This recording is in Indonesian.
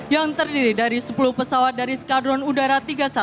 yang terdiri dari sepuluh pesawat dari skadron udara tiga ratus sepuluh